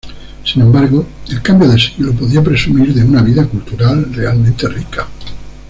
Sin embargo el cambio de siglo podía presumir de una vida cultural realmente rica.